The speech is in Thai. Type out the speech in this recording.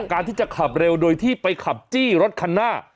การที่จะขับเร็วโดยที่ไปขับจี้รถคันหน้า